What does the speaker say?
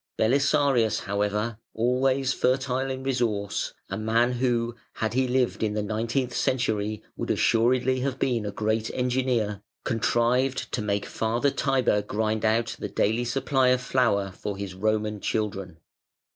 Belisarius, however, always fertile in resource, a man who, had he lived in the nineteenth century, would assuredly have been a great engineer, contrived to make Father Tiber grind out the daily supply of flour for his Roman children.